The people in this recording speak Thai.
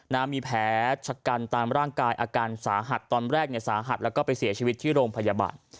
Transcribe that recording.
มีแผลชะกันตามร่างกายอาการสาหัสตอนแรกเนี่ยสาหัสแล้วก็ไปเสียชีวิตที่โรงพยาบาล